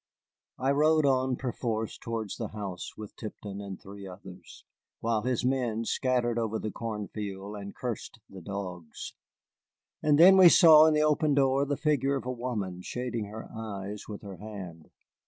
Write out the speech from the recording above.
I rode on perforce towards the house with Tipton and three others, while his men scattered over the corn field and cursed the dogs. And then we saw in the open door the figure of a woman shading her eyes with her hand.